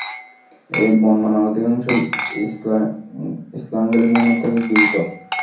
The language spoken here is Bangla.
এ বর্ণনার অধিকাংশই ইসরাঈলী বর্ণনা থেকে গৃহীত।